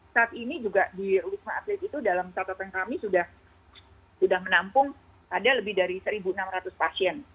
saat ini juga di wisma atlet itu dalam catatan kami sudah menampung ada lebih dari satu enam ratus pasien